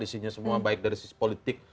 isinya semua baik dari sisi politik